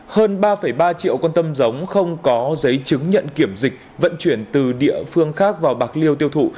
hơn ba ba triệu con tâm giống không có giấy chứng nhận kiểm dịch vận chuyển từ địa phương khác vào bạc liêu tiêu thụ